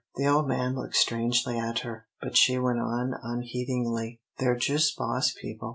The old man looked strangely at her, but she went on unheedingly: "They're jus' boss people.